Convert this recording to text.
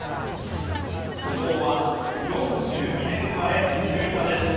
昭和４２年生まれ伊集院さんです。